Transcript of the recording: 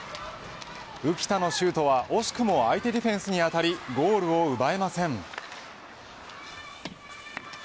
浮田のシュートは惜しくも相手ディフェンスに当たりゴールを奪えません。